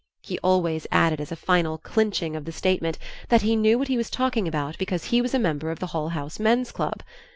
He always added as a final clinching of the statement that he knew what he was talking about because he was a member of the Hull House Men's Club.